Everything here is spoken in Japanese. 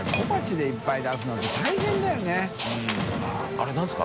あれ何ですか？